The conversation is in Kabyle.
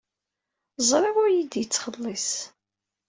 Ẓriɣ ur iyi-d-yettxelliṣ.